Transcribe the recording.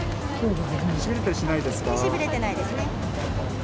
しびれてないですね。